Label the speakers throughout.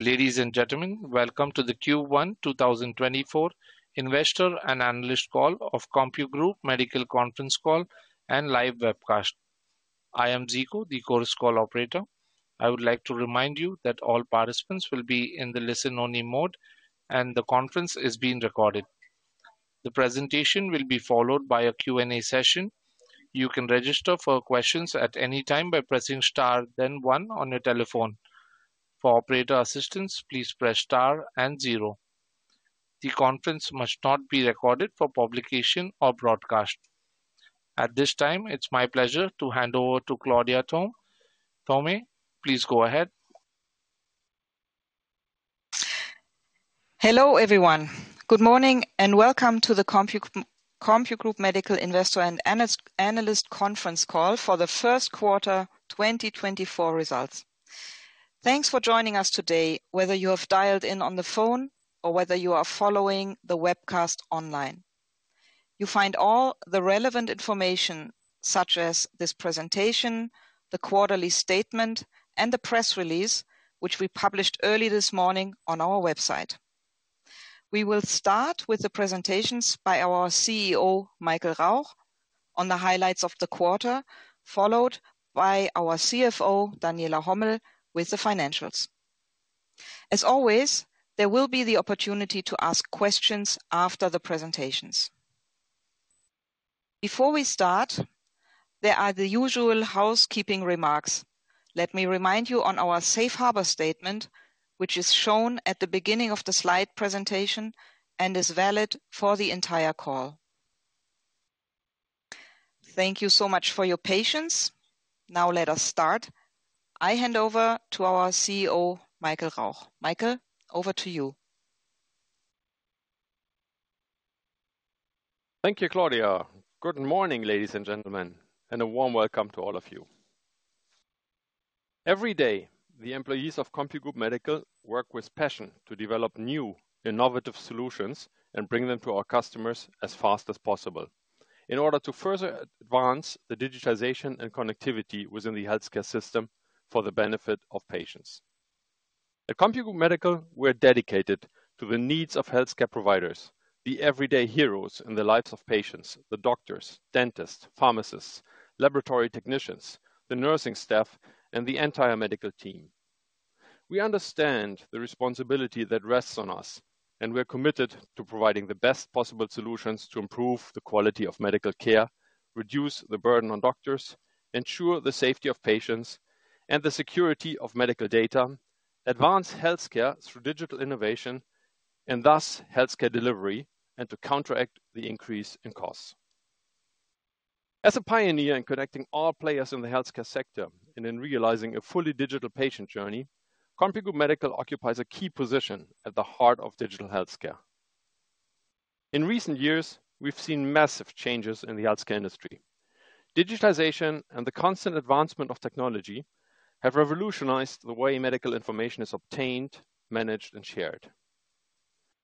Speaker 1: Ladies and gentlemen, welcome to the Q1 2024 Investor and Analyst Call of CompuGroup Medical Conference Call and Live Webcast. I am Zico, the Chorus Call operator. I would like to remind you that all participants will be in the listen-only mode, and the conference is being recorded. The presentation will be followed by a Q&A session. You can register for questions at any time by pressing star then one on your telephone. For operator assistance, please press star and zero. The conference must not be recorded for publication or broadcast. At this time, it's my pleasure to hand over to Claudia Thomé. Please go ahead.
Speaker 2: Hello everyone. Good morning and welcome to the CompuGroup Medical Investor and Analyst Conference Call for the first quarter 2024 results. Thanks for joining us today, whether you have dialed in on the phone or whether you are following the webcast online. You find all the relevant information such as this presentation, the quarterly statement, and the press release, which we published early this morning on our website. We will start with the presentations by our CEO, Michael Rauch, on the highlights of the quarter, followed by our CFO, Daniela Hommel, with the financials. As always, there will be the opportunity to ask questions after the presentations. Before we start, there are the usual housekeeping remarks. Let me remind you on our Safe Harbor statement, which is shown at the beginning of the slide presentation and is valid for the entire call. Thank you so much for your patience. Now let us start. I hand over to our CEO, Michael Rauch. Michael, over to you.
Speaker 3: Thank you, Claudia. Good morning, ladies and gentlemen, and a warm welcome to all of you. Every day, the employees of CompuGroup Medical work with passion to develop new, innovative solutions and bring them to our customers as fast as possible in order to further advance the digitization and connectivity within the healthcare system for the benefit of patients. At CompuGroup Medical, we are dedicated to the needs of healthcare providers, the everyday heroes in the lives of patients: the doctors, dentists, pharmacists, laboratory technicians, the nursing staff, and the entire medical team. We understand the responsibility that rests on us, and we are committed to providing the best possible solutions to improve the quality of medical care, reduce the burden on doctors, ensure the safety of patients and the security of medical data, advance healthcare through digital innovation, and thus healthcare delivery, and to counteract the increase in costs. As a pioneer in connecting all players in the healthcare sector and in realizing a fully digital patient journey, CompuGroup Medical occupies a key position at the heart of digital healthcare. In recent years, we've seen massive changes in the healthcare industry. Digitization and the constant advancement of technology have revolutionized the way medical information is obtained, managed, and shared.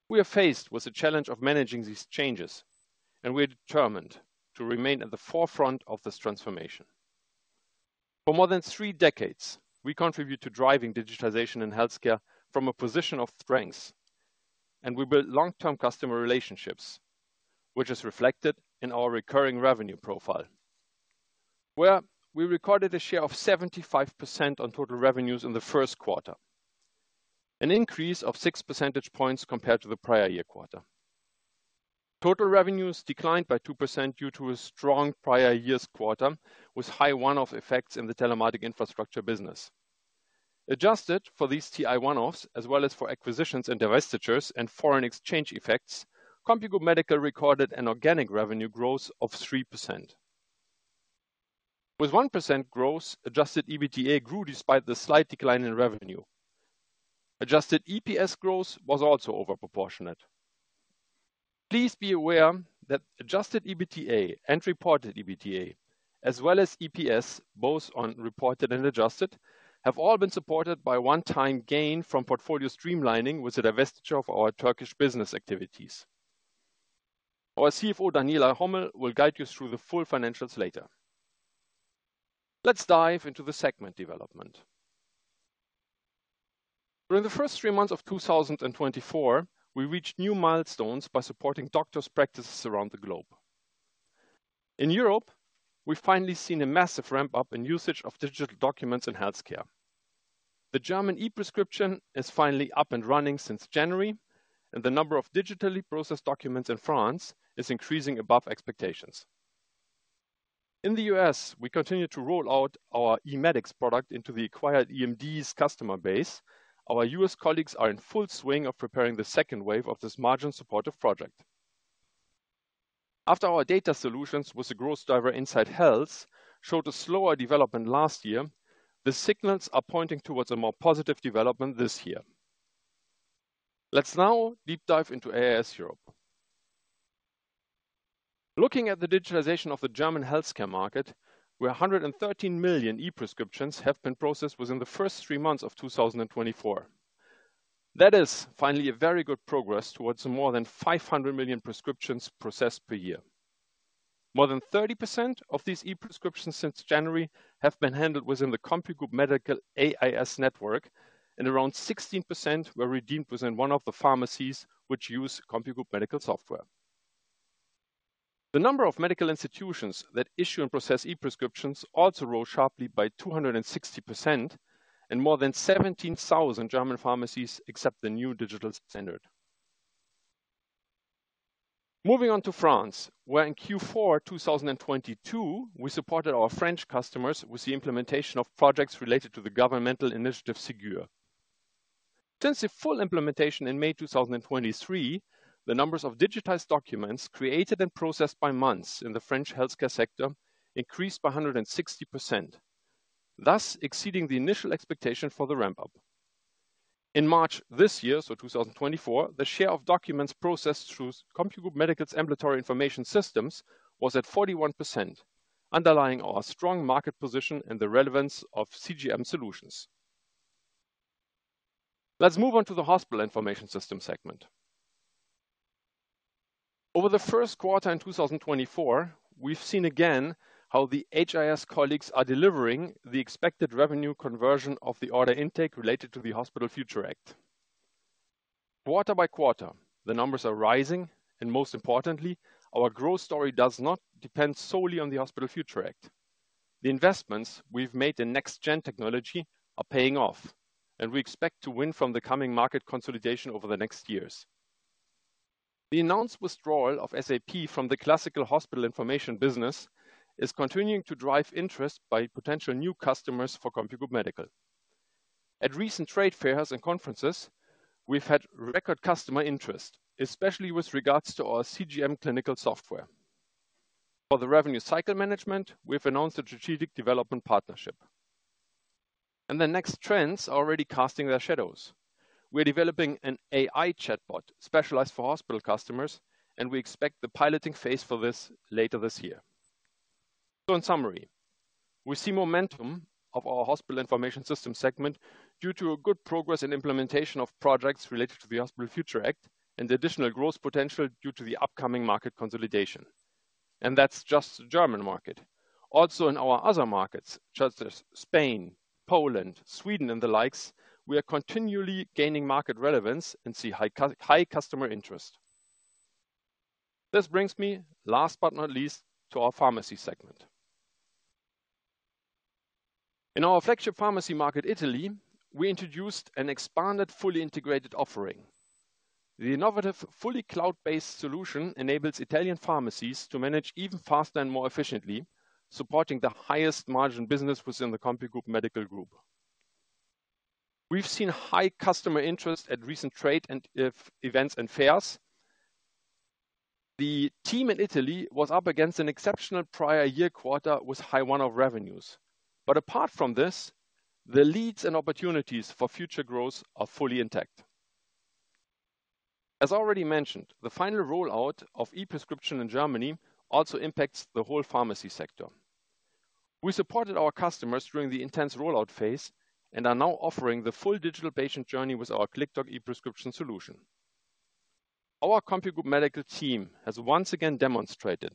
Speaker 3: We are faced with the challenge of managing these changes, and we are determined to remain at the forefront of this transformation. For more than three decades, we contribute to driving digitization in healthcare from a position of strengths, and we build long-term customer relationships, which is reflected in our recurring revenue profile, where we recorded a share of 75% on total revenues in the first quarter, an increase of six percentage points compared to the prior year quarter. Total revenues declined by 2% due to a strong prior year's quarter with high one-off effects in the telematic infrastructure business. Adjusted for these TI one-offs as well as for acquisitions and divestitures and foreign exchange effects, CompuGroup Medical recorded an organic revenue growth of 3%. With 1% growth, adjusted EBITDA grew despite the slight decline in revenue. Adjusted EPS growth was also overproportionate. Please be aware that adjusted EBITDA and reported EBITDA, as well as EPS, both on reported and adjusted, have all been supported by one-time gain from portfolio streamlining with a divestiture of our Turkish business activities. Our CFO, Daniela Hommel, will guide you through the full financials later. Let's dive into the segment development. During the first three months of 2024, we reached new milestones by supporting doctors' practices around the globe. In Europe, we've finally seen a massive ramp-up in usage of digital documents in healthcare. The German ePrescription is finally up and running since January, and the number of digitally processed documents in France is increasing above expectations. In the US, we continue to roll out our eMEDIX product into the acquired eMDs customer base. Our US colleagues are in full swing of preparing the second wave of this margin-supportive project. After our data solutions with the growth driver INSIGHT Health showed a slower development last year, the signals are pointing towards a more positive development this year. Let's now deep dive into AIS Europe. Looking at the digitization of the German healthcare market, where 113 million ePrescriptions have been processed within the first three months of 2024, that is finally a very good progress towards more than 500 million prescriptions processed per year. More than 30% of these ePrescriptions since January have been handled within the CompuGroup Medical AIS network, and around 16% were redeemed within one of the pharmacies which use CompuGroup Medical software. The number of medical institutions that issue and process ePrescriptions also rose sharply by 260%, and more than 17,000 German pharmacies accept the new digital standard. Moving on to France, where in Q4 2022, we supported our French customers with the implementation of projects related to the governmental initiative Ségur. Since the full implementation in May 2023, the numbers of digitized documents created and processed by months in the French healthcare sector increased by 160%, thus exceeding the initial expectation for the ramp-up. In March this year, so 2024, the share of documents processed through CompuGroup Medical's ambulatory information systems was at 41%, underlying our strong market position and the relevance of CGM solutions. Let's move on to the hospital information system segment. Over the first quarter in 2024, we've seen again how the HIS colleagues are delivering the expected revenue conversion of the order intake related to the Hospital Future Act. Quarter by quarter, the numbers are rising, and most importantly, our growth story does not depend solely on the Hospital Future Act. The investments we've made in next-gen technology are paying off, and we expect to win from the coming market consolidation over the next years. The announced withdrawal of SAP from the classical hospital information business is continuing to drive interest by potential new customers for CompuGroup Medical. At recent trade fairs and conferences, we've had record customer interest, especially with regards to our CGM Clinical software. For the revenue cycle management, we've announced a strategic development partnership. The next trends are already casting their shadows. We are developing an AI chatbot specialized for hospital customers, and we expect the piloting phase for this later this year. So in summary, we see momentum of our hospital information system segment due to good progress in implementation of projects related to the Hospital Future Act and the additional growth potential due to the upcoming market consolidation. And that's just the German market. Also in our other markets such as Spain, Poland, Sweden, and the likes, we are continually gaining market relevance and see high customer interest. This brings me, last but not least, to our pharmacy segment. In our flagship pharmacy market, Italy, we introduced an expanded fully integrated offering. The innovative fully cloud-based solution enables Italian pharmacies to manage even faster and more efficiently, supporting the highest margin business within the CompuGroup Medical Group. We've seen high customer interest at recent trade events and fairs. The team in Italy was up against an exceptional prior year quarter with high one-off revenues. But apart from this, the leads and opportunities for future growth are fully intact. As already mentioned, the final rollout of ePrescription in Germany also impacts the whole pharmacy sector. We supported our customers during the intense rollout phase and are now offering the full digital patient journey with our ClickDoc ePrescription solution. Our CompuGroup Medical team has once again demonstrated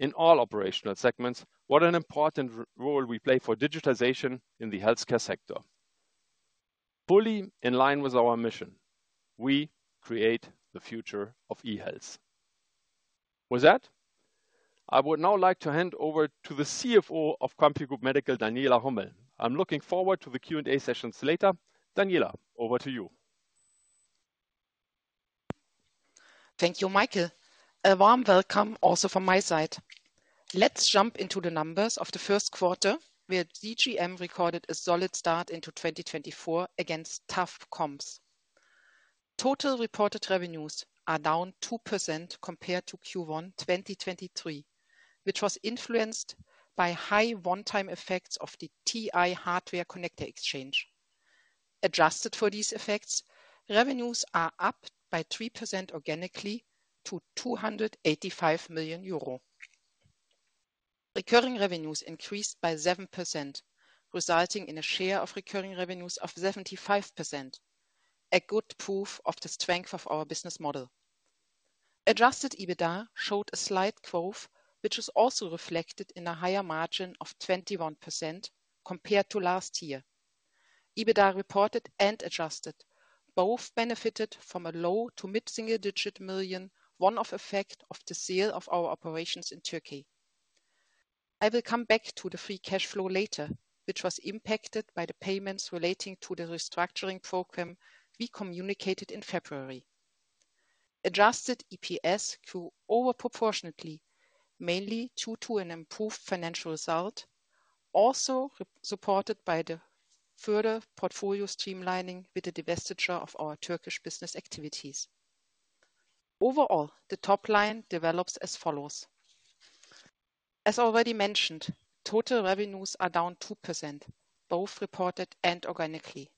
Speaker 3: in all operational segments what an important role we play for digitization in the healthcare sector, fully in line with our mission: we create the future of e-health. With that, I would now like to hand over to the CFO of CompuGroup Medical, Daniela Hommel. I'm looking forward to the Q&A sessions later. Daniela, over to you.
Speaker 4: Thank you, Michael. A warm welcome also from my side. Let's jump into the numbers of the first quarter, where CGM recorded a solid start into 2024 against tough comps. Total reported revenues are down 2% compared to Q1 2023, which was influenced by high one-time effects of the TI hardware connector exchange. Adjusted for these effects, revenues are up by 3% organically to 285 million euro. Recurring revenues increased by 7%, resulting in a share of recurring revenues of 75%, a good proof of the strength of our business model. Adjusted EBITDA showed a slight growth, which is also reflected in a higher margin of 21% compared to last year. EBITDA reported and adjusted both benefited from a low to mid-single-digit million one-off effect of the sale of our operations in Turkey. I will come back to the free cash flow later, which was impacted by the payments relating to the restructuring program we communicated in February. Adjusted EPS grew overproportionately, mainly due to an improved financial result, also supported by further portfolio streamlining with the divestiture of our Turkish business activities. Overall, the top line develops as follows. As already mentioned, total revenues are down 2%, both reported and organically.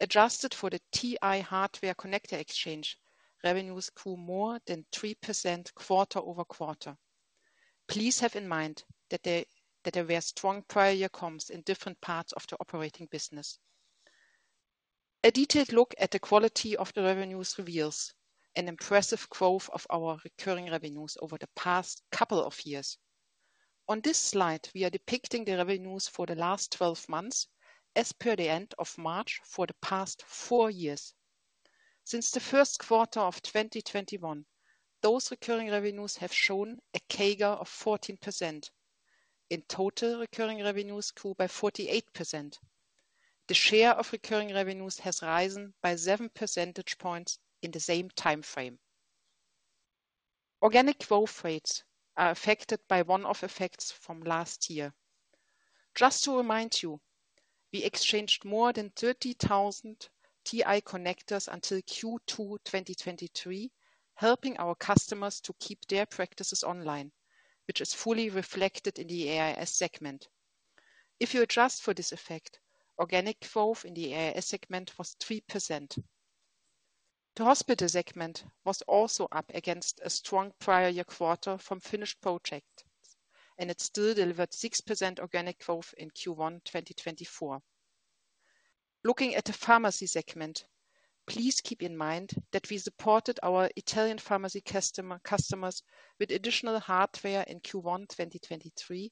Speaker 4: Adjusted for the TI hardware connector exchange, revenues grew more than 3% quarter-over-quarter. Please have in mind that there were strong prior year comps in different parts of the operating business. A detailed look at the quality of the revenues reveals an impressive growth of our recurring revenues over the past couple of years. On this slide, we are depicting the revenues for the last 12 months as per the end of March for the past four years. Since the first quarter of 2021, those recurring revenues have shown a CAGR of 14%, and total recurring revenues grew by 48%. The share of recurring revenues has risen by seven percentage points in the same time frame. Organic growth rates are affected by one-off effects from last year. Just to remind you, we exchanged more than 30,000 TI connectors until Q2 2023, helping our customers to keep their practices online, which is fully reflected in the AIS segment. If you adjust for this effect, organic growth in the AIS segment was 3%. The hospital segment was also up against a strong prior year quarter from finished projects, and it still delivered 6% organic growth in Q1 2024. Looking at the pharmacy segment, please keep in mind that we supported our Italian pharmacy customers with additional hardware in Q1 2023,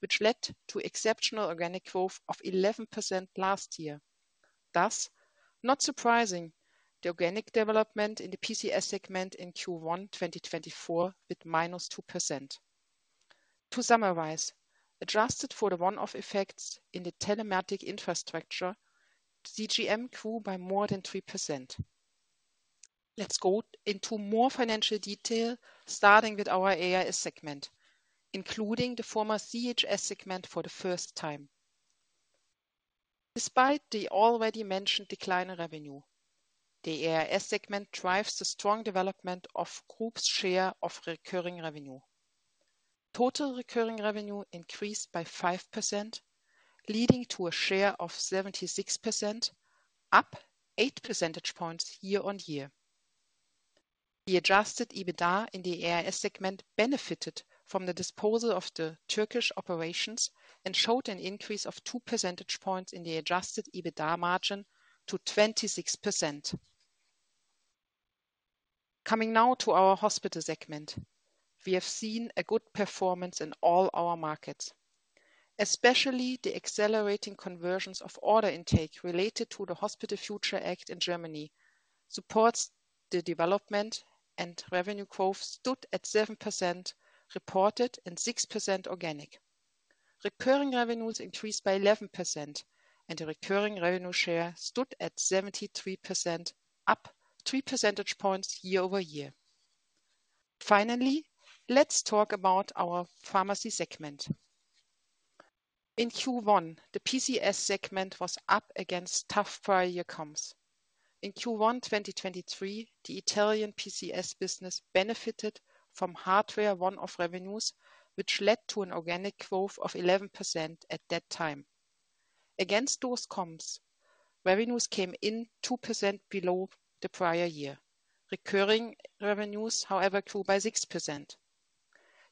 Speaker 4: which led to exceptional organic growth of 11% last year. Thus, not surprising, the organic development in the PCS segment in Q1 2024 was -2%. To summarize, adjusted for the one-off effects in the telematic infrastructure, CGM grew by more than 3%. Let's go into more financial detail, starting with our AIS segment, including the former CHS segment for the first time. Despite the already mentioned decline in revenue, the AIS segment drives the strong development of Group's share of recurring revenue. Total recurring revenue increased by 5%, leading to a share of 76%, up eight percentage points year-on-year. The adjusted EBITDA in the AIS segment benefited from the disposal of the Turkish operations and showed an increase of two percentage points in the adjusted EBITDA margin to 26%. Coming now to our hospital segment, we have seen a good performance in all our markets, especially the accelerating conversions of order intake related to the Hospital Future Act in Germany support the development, and revenue growth stood at 7% reported and 6% organic. Recurring revenues increased by 11%, and the recurring revenue share stood at 73%, up 3 percentage points year-over-year. Finally, let's talk about our pharmacy segment. In Q1, the PCS segment was up against tough prior year comps. In Q1 2023, the Italian PCS business benefited from hardware one-off revenues, which led to an organic growth of 11% at that time. Against those comps, revenues came in 2% below the prior year. Recurring revenues, however, grew by 6%.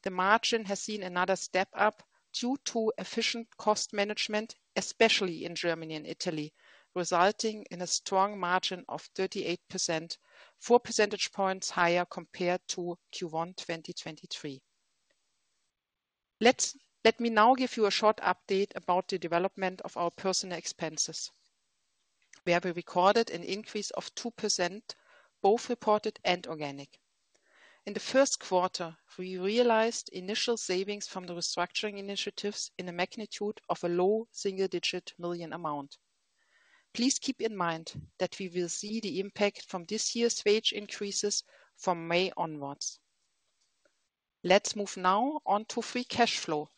Speaker 4: The margin has seen another step up due to efficient cost management, especially in Germany and Italy, resulting in a strong margin of 38%, four percentage points higher compared to Q1 2023. Let me now give you a short update about the development of our personnel expenses, where we recorded an increase of 2%, both reported and organic. In the first quarter, we realized initial savings from the restructuring initiatives in a magnitude of a low single-digit million EUR amount. Please keep in mind that we will see the impact from this year's wage increases from May onwards. Let's move now on to free cash flow.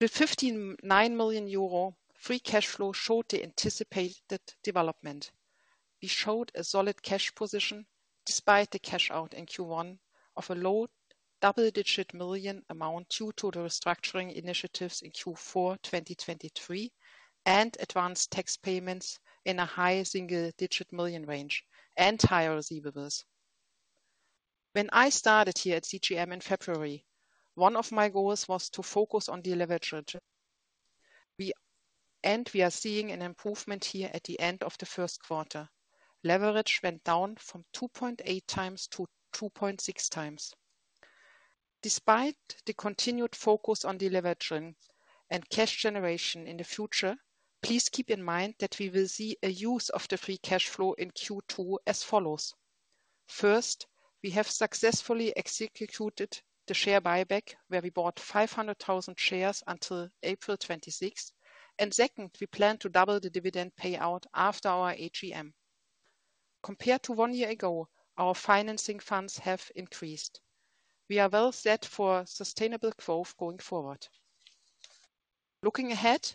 Speaker 4: With 159 million euro, free cash flow showed the anticipated development. We showed a solid cash position despite the cash out in Q1 of EUR low double-digit million amount due to the restructuring initiatives in Q4 2023 and advanced tax payments in a high single-digit million range and higher receivables. When I started here at CGM in February, one of my goals was to focus on the leverage. We are seeing an improvement here at the end of the first quarter. Leverage went down from 2.8x to 2.6x. Despite the continued focus on the leverage and cash generation in the future, please keep in mind that we will see a use of the free cash flow in Q2 as follows. First, we have successfully executed the share buyback, where we bought 500,000 shares until April 26th. Second, we plan to double the dividend payout after our AGM. Compared to one year ago, our financing funds have increased. We are well set for sustainable growth going forward. Looking ahead,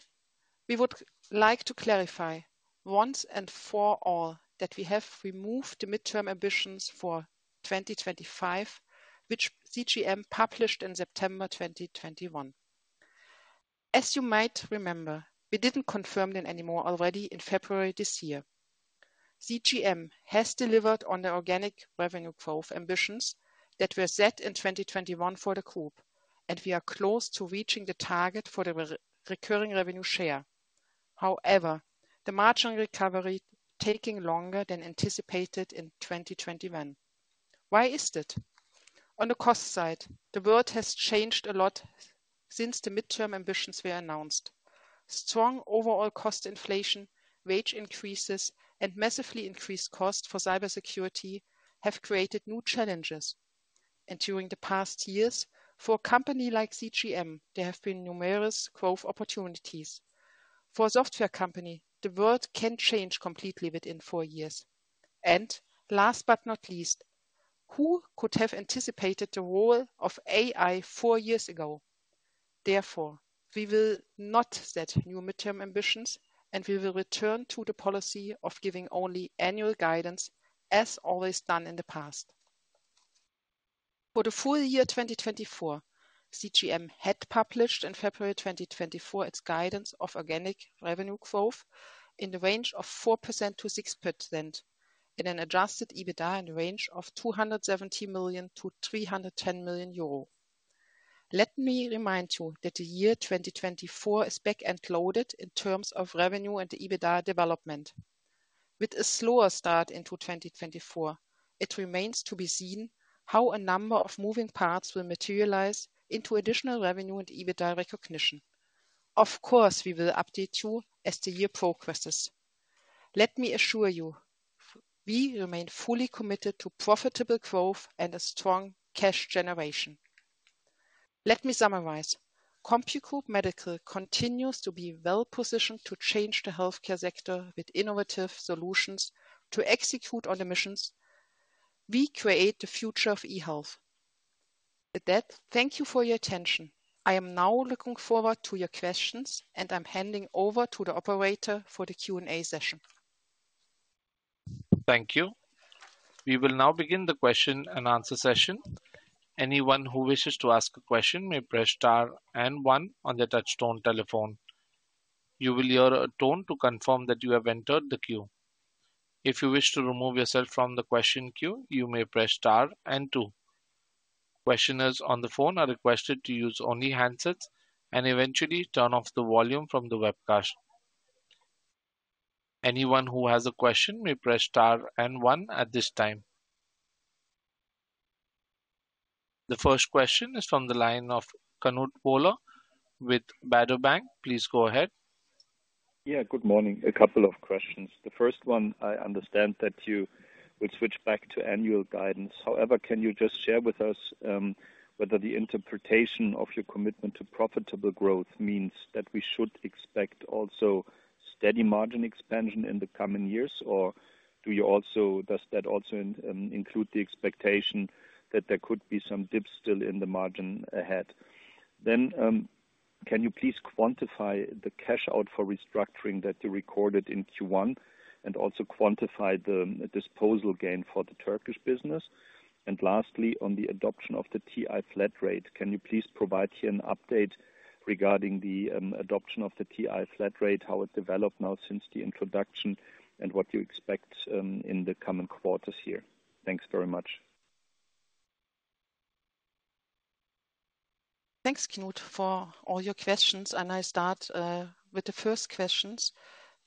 Speaker 4: we would like to clarify once and for all that we have removed the midterm ambitions for 2025, which CGM published in September 2021. As you might remember, we didn't confirm them anymore already in February this year. CGM has delivered on the organic revenue growth ambitions that were set in 2021 for the Group, and we are close to reaching the target for the recurring revenue share. However, the margin recovery is taking longer than anticipated in 2021. Why is it? On the cost side, the world has changed a lot since the midterm ambitions were announced. Strong overall cost inflation, wage increases, and massively increased costs for cybersecurity have created new challenges. During the past years, for a company like CGM, there have been numerous growth opportunities. For a software company, the world can change completely within four years. And last but not least, who could have anticipated the role of AI four years ago? Therefore, we will not set new midterm ambitions, and we will return to the policy of giving only annual guidance as always done in the past. For the full year 2024, CGM had published in February 2024 its guidance of organic revenue growth in the range of 4%-6%, and an Adjusted EBITDA in the range of 270 million-310 million euro. Let me remind you that the year 2024 is back-loaded in terms of revenue and EBITDA development. With a slower start into 2024, it remains to be seen how a number of moving parts will materialize into additional revenue and EBITDA recognition. Of course, we will update you as the year progresses. Let me assure you, we remain fully committed to profitable growth and a strong cash generation. Let me summarize. CompuGroup Medical continues to be well positioned to change the healthcare sector with innovative solutions to execute on the missions, "We create the future of e-health." With that, thank you for your attention. I am now looking forward to your questions, and I'm handing over to the operator for the Q&A session.
Speaker 1: Thank you. We will now begin the question and answer session. Anyone who wishes to ask a question may press star and one on their touchstone telephone. You will hear a tone to confirm that you have entered the queue. If you wish to remove yourself from the question queue, you may press star and two. Questioners on the phone are requested to use only handsets and eventually turn off the volume from the webcast. Anyone who has a question may press star and one at this time. The first question is from the line of Knut Woller with Baader Bank. Please go ahead.
Speaker 5: Yeah, good morning. A couple of questions. The first one, I understand that you will switch back to annual guidance. However, can you just share with us whether the interpretation of your commitment to profitable growth means that we should expect also steady margin expansion in the coming years, or does that also include the expectation that there could be some dips still in the margin ahead? Then can you please quantify the cash out for restructuring that you recorded in Q1 and also quantify the disposal gain for the Turkish business? And lastly, on the adoption of the TI flat rate, can you please provide here an update regarding the adoption of the TI flat rate, how it developed now since the introduction, and what you expect in the coming quarters here? Thanks very much.
Speaker 4: Thanks, Knut, for all your questions. I start with the first questions.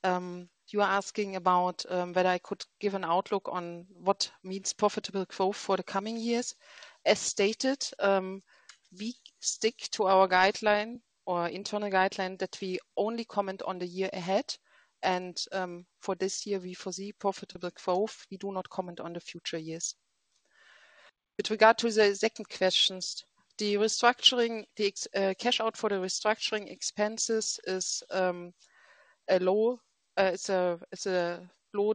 Speaker 4: You are asking about whether I could give an outlook on what means profitable growth for the coming years. As stated, we stick to our guideline or internal guideline that we only comment on the year ahead. For this year, we foresee profitable growth. We do not comment on the future years. With regard to the second questions, the cash out for the restructuring expenses is a low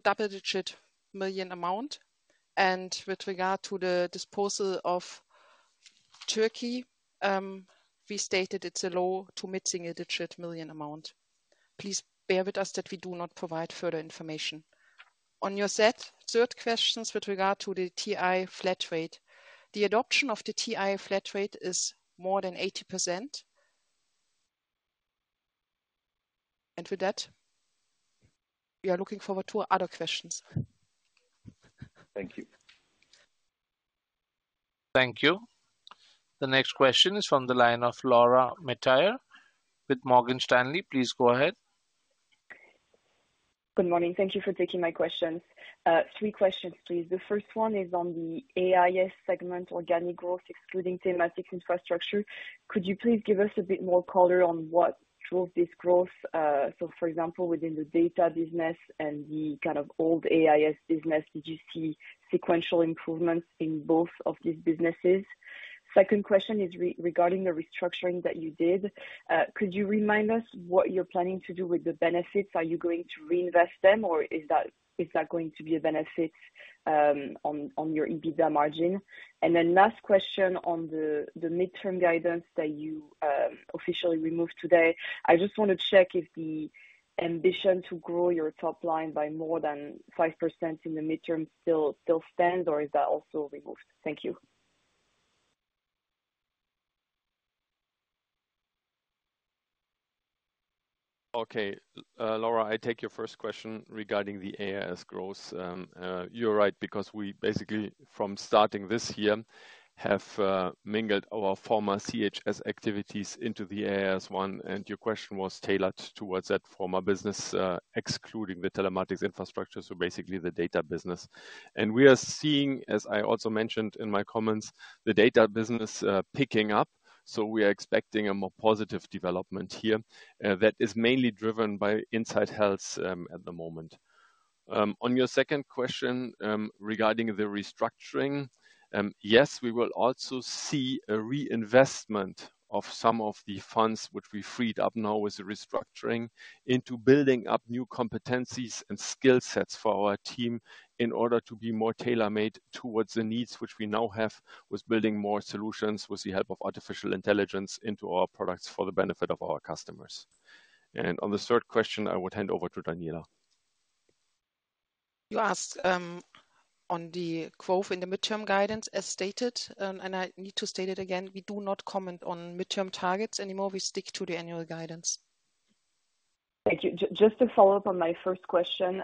Speaker 4: double-digit million amount. With regard to the disposal of Turkey, we stated it's a low to mid double-digit million amount. Please bear with us that we do not provide further information. On your third questions with regard to the TI flat rate, the adoption of the TI flat rate is more than 80%. With that, we are looking forward to other questions.
Speaker 5: Thank you.
Speaker 1: Thank you. The next question is from the line of Laura Metayer with Morgan Stanley. Please go ahead.
Speaker 6: Good morning. Thank you for taking my questions. Three questions, please. The first one is on the AIS segment organic growth excluding thematic infrastructure. Could you please give us a bit more color on what drove this growth? So, for example, within the data business and the kind of old AIS business, did you see sequential improvements in both of these businesses? Second question is regarding the restructuring that you did. Could you remind us what you're planning to do with the benefits? Are you going to reinvest them, or is that going to be a benefit on your EBITDA margin? And then last question on the midterm guidance that you officially removed today. I just want to check if the ambition to grow your top line by more than 5% in the midterm still stands, or is that also removed? Thank you.
Speaker 3: Okay, Laura, I take your first question regarding the AIS growth. You're right because we basically, from starting this year, have mingled our former CHS activities into the AIS one. And your question was tailored towards that former business excluding the telematics infrastructure, so basically the data business. And we are seeing, as I also mentioned in my comments, the data business picking up. So we are expecting a more positive development here that is mainly driven by INSIGHT Health at the moment. On your second question regarding the restructuring, yes, we will also see a reinvestment of some of the funds which we freed up now with the restructuring into building up new competencies and skill sets for our team in order to be more tailor-made towards the needs which we now have with building more solutions with the help of artificial intelligence into our products for the benefit of our customers. And on the third question, I would hand over to Daniela.
Speaker 4: You asked on the growth in the midterm guidance, as stated, and I need to state it again. We do not comment on midterm targets anymore. We stick to the annual guidance.
Speaker 6: Thank you. Just to follow up on my first question,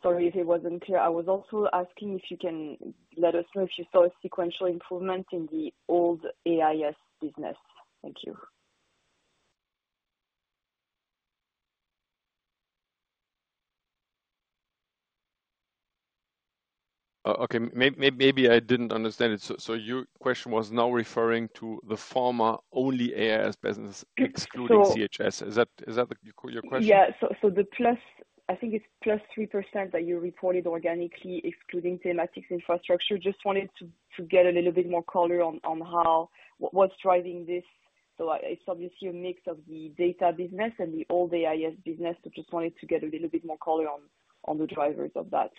Speaker 6: sorry if it wasn't clear. I was also asking if you can let us know if you saw a sequential improvement in the old AIS business. Thank you.
Speaker 3: Okay. Maybe I didn't understand it. So your question was now referring to the former only AIS business excluding CHS. Is that your question?
Speaker 6: Yeah. So I think it's +3% that you reported organically excluding TI. Just wanted to get a little bit more color on what's driving this. So it's obviously a mix of the data business and the old AIS business. So just wanted to get a little bit more color on the drivers of that.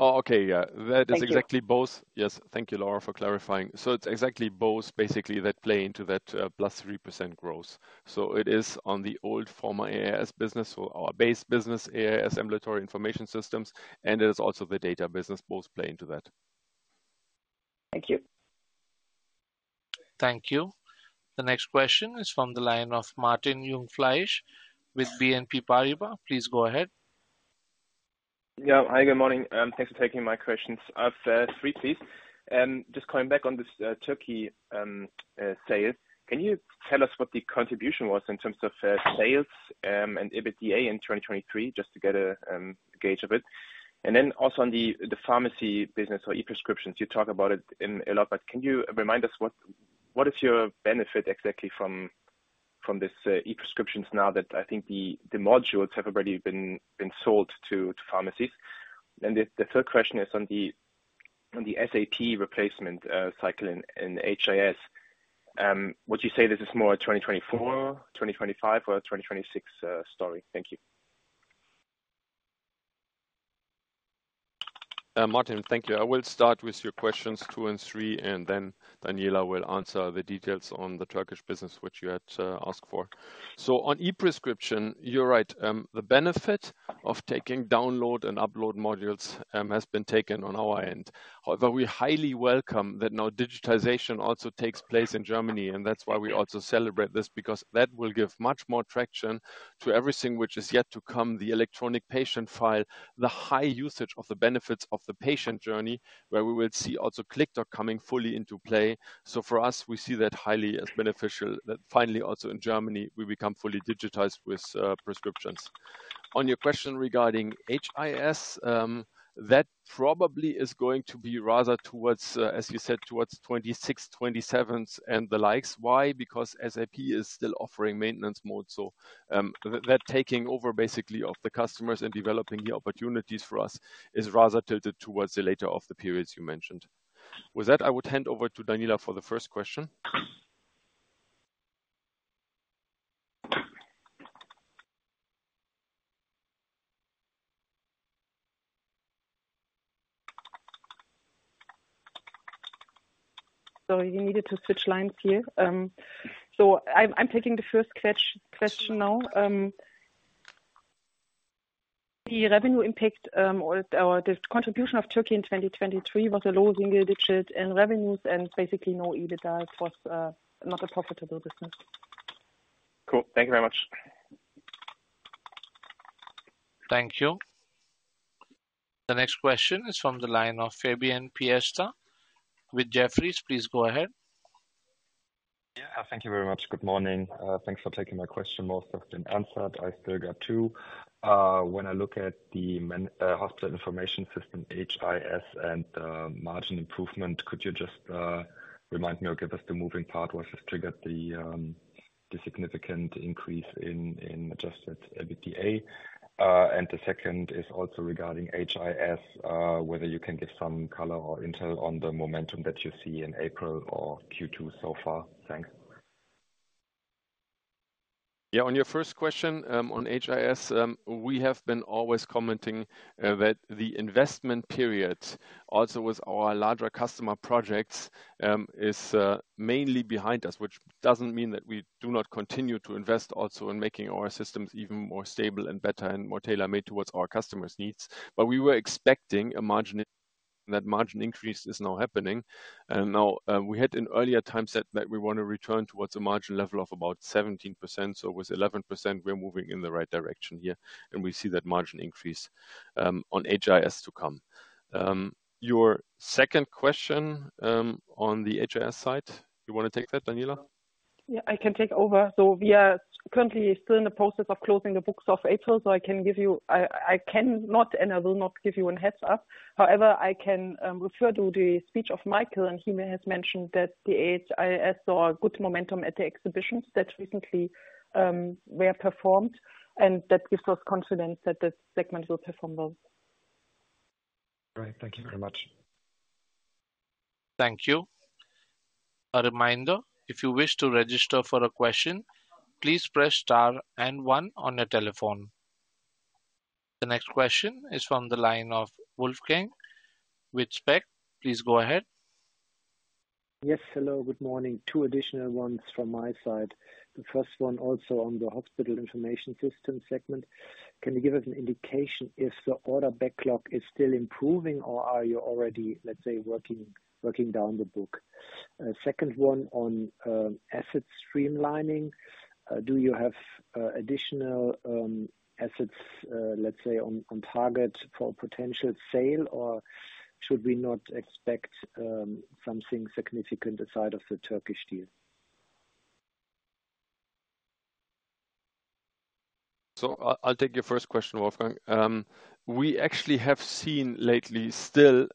Speaker 3: Oh, okay. Yeah. That is exactly both. Yes. Thank you, Laura, for clarifying. So it's exactly both, basically, that play into that +3% growth. So it is on the old former AIS business, so our base business, AIS Ambulatory Information Systems, and it is also the data business, both play into that.
Speaker 6: Thank you.
Speaker 1: Thank you. The next question is from the line of Martin Jungfleisch with BNP Paribas. Please go ahead.
Speaker 7: Yeah. Hi. Good morning. Thanks for taking my questions. I've three, please. Just coming back on this Turkey sale, can you tell us what the contribution was in terms of sales and EBITDA in 2023 just to get a gauge of it? And then also on the pharmacy business or e-prescriptions, you talk about it a lot, but can you remind us what is your benefit exactly from these e-prescriptions now that I think the modules have already been sold to pharmacies? And the third question is on the SAP replacement cycle in HIS. Would you say this is more 2024, 2025, or 2026 story? Thank you.
Speaker 3: Martin, thank you. I will start with your questions two and three, and then Daniela will answer the details on the Turkish business which you had asked for. So on e-prescription, you're right. The benefit of taking download and upload modules has been taken on our end. However, we highly welcome that now digitization also takes place in Germany. And that's why we also celebrate this because that will give much more traction to everything which is yet to come, the electronic patient file, the high usage of the benefits of the patient journey, where we will see also ClickDoc coming fully into play. So for us, we see that highly as beneficial that finally also in Germany, we become fully digitized with prescriptions. On your question regarding HIS, that probably is going to be rather towards, as you said, towards 2026, 2027s, and the likes. Why? Because SAP is still offering maintenance mode. So that taking over, basically, of the customers and developing the opportunities for us is rather tilted towards the later of the periods you mentioned. With that, I would hand over to Daniela for the first question.
Speaker 4: Sorry, you needed to switch lines here. So I'm taking the first question now. The revenue impact or the contribution of Turkey in 2023 was a low single-digit in revenues, and basically, no EBITDA. It was not a profitable business.
Speaker 7: Cool. Thank you very much.
Speaker 1: Thank you. The next question is from the line of Fabian Piesta with Jefferies. Please go ahead.
Speaker 8: Yeah. Thank you very much. Good morning. Thanks for taking my question. Most have been answered. I still got two. When I look at the hospital information system, HIS, and margin improvement, could you just remind me or give us the moving part which has triggered the significant increase in adjusted EBITDA? And the second is also regarding HIS, whether you can give some color or intel on the momentum that you see in April or Q2 so far. Thanks.
Speaker 3: Yeah. On your first question on HIS, we have been always commenting that the investment period, also with our larger customer projects, is mainly behind us, which doesn't mean that we do not continue to invest also in making our systems even more stable and better and more tailor-made towards our customers' needs. But we were expecting a margin that margin increase is now happening. Now we had in earlier times said that we want to return towards a margin level of about 17%. With 11%, we're moving in the right direction here. We see that margin increase on HIS to come. Your second question on the HIS side, you want to take that, Daniela?
Speaker 4: Yeah. I can take over. We are currently still in the process of closing the books of April. I cannot and I will not give you a heads-up. However, I can refer to the speech of Michael, and he has mentioned that the HIS saw good momentum at the exhibitions that recently were performed. That gives us confidence that this segment will perform well.
Speaker 8: Great. Thank you very much.
Speaker 1: Thank you. A reminder, if you wish to register for a question, please press star and one on your telephone. The next question is from the line of Wolfgang Specht. Please go ahead.
Speaker 9: Yes. Hello. Good morning. Two additional ones from my side. The first one also on the hospital information system segment. Can you give us an indication if the order backlog is still improving, or are you already, let's say, working down the book? Second one on asset streamlining. Do you have additional assets, let's say, on target for a potential sale, or should we not expect something significant aside of the Turkish deal?
Speaker 3: So I'll take your first question, Wolfgang. We actually have seen lately still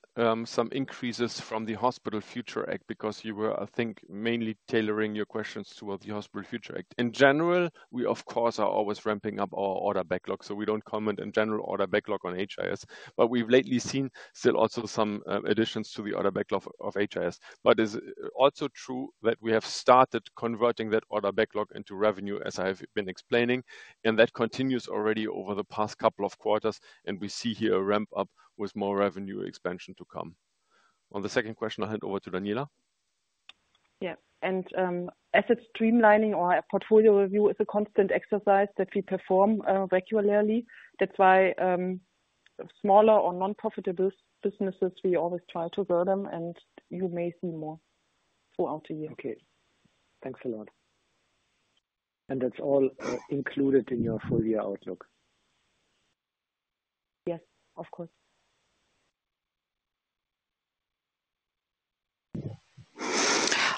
Speaker 3: some increases from the Hospital Future Act because you were, I think, mainly tailoring your questions toward the Hospital Future Act. In general, we, of course, are always ramping up our order backlog. So we don't comment on general order backlog on HIS. But we've lately seen still also some additions to the order backlog of HIS. But it's also true that we have started converting that order backlog into revenue, as I have been explaining. And that continues already over the past couple of quarters. And we see here a ramp-up with more revenue expansion to come. On the second question, I'll hand over to Daniela.
Speaker 4: Yeah. Asset streamlining or portfolio review is a constant exercise that we perform regularly. That's why smaller or non-profitable businesses, we always try to grow them. You may see more throughout the year.
Speaker 9: Okay. Thanks a lot. And that's all included in your full-year outlook?
Speaker 4: Yes. Of course.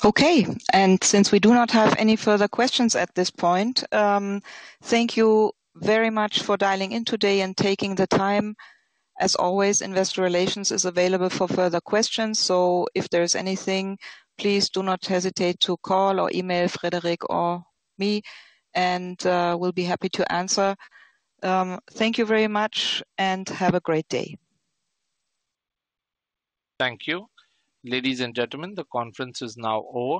Speaker 2: Okay. And since we do not have any further questions at this point, thank you very much for dialing in today and taking the time. As always, Investor Relations is available for further questions. So if there is anything, please do not hesitate to call or email Frederik or me. And we'll be happy to answer. Thank you very much, and have a great day.
Speaker 1: Thank you. Ladies and gentlemen, the conference is now over.